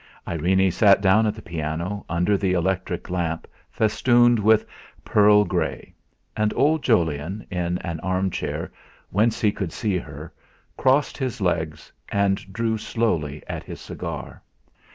Irene sat down at the piano under the electric lamp festooned with pearl grey, and old Jolyon, in an armchair, whence he could see her, crossed his legs and drew slowly at his cigar.